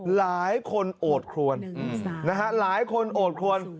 หลายคนโอดครวนหลายคนโอดครวน